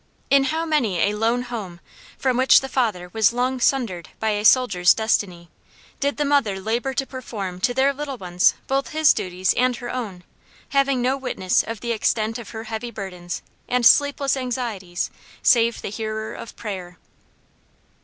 In how many a lone home, from which the father was long sundered by a soldier's destiny, did the mother labor to perform to their little ones both his duties and her own, having no witness of the extent of her heavy burdens and sleepless anxieties, save the Hearer of prayer.